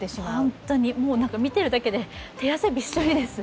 本当に、見ているだけで手汗びっしょりです。